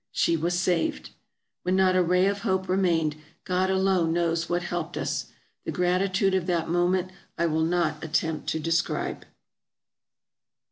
She was saved! When not a ray of hope remained, God alone knows what helped us. The gratitude of that mo ment I will not attempt to describe.